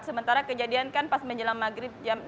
sementara kejadian kan pas menjelang maghrib jam enam